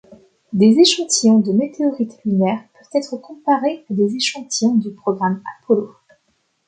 Des échantillons de météorites lunaires peuvent être comparés à des échantillons du programme Apollo.